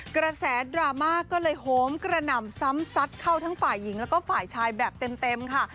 กระแสดราม่าก็เลยโหมกระหน่ำซ้ำซัดเข้าทั้งฝ่ายหญิงแล้วก็ฝ่ายชายแบบเต็มค่ะ